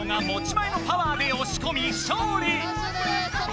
前のパワーでおしこみ勝利！